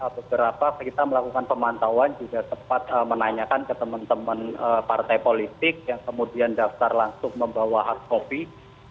jadi beberapa kita melakukan pemantauan juga sempat menanyakan ke teman teman partai politik yang kemudian daftar langsung membawa hard copy